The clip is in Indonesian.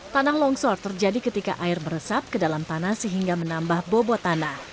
tanah longsor terjadi ketika air meresap ke dalam tanah sehingga menambah bobot tanah